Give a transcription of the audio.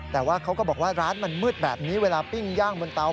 แต่ว่าเขาก็บอกว่าร้านมันมืดแบบนี้เวลาปิ้งย่างบนเตา